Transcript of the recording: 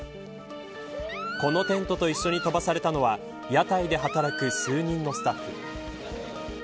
このテントと一緒に飛ばされたのは屋台で働く数人のスタッフ。